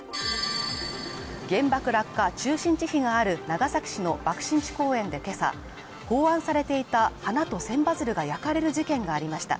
原爆落下中心地碑がある長崎市の爆心地公園で今朝奉安されていた花と千羽鶴が焼かれる事件がありました。